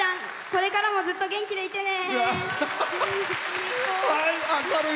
これからも元気でいてね！